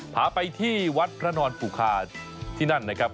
พาไปที่วัดพระนอนปุคาที่นั่นนะครับ